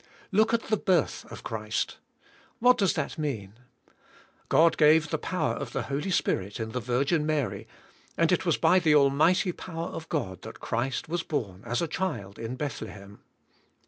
Look at the birth of Christ. What does that mean ? God gave the power of the Holy Spirit in the Virgin Mary, and it was by the al mighty power of God that Christ was born, as a child, in Bethlehem.